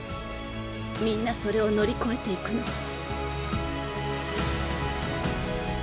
みんなそれを乗り越えていくの。